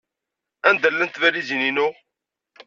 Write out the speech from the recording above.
Anda llant tbalizin-inu?